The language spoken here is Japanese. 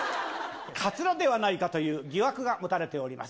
かつらではないかという疑惑が持たれております。